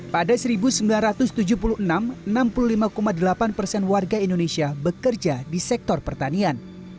pada seribu sembilan ratus tujuh puluh enam enam puluh lima delapan persen warga indonesia bekerja di sektor pertanian